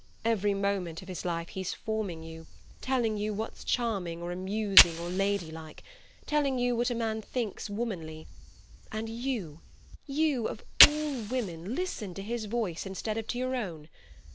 Every moment of his life he's forming you, telling you what's charming or amusing or ladylike, telling you what a man thinks womanly; and you, you of all women, listen to his voice instead of to your own.